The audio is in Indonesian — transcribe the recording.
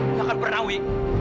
nggak akan pernah wi